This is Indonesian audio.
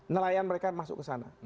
nelayan mereka masuk ke sana